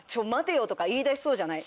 言いだしそうじゃない？